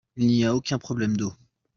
Il n'y a aucun problème d'eau.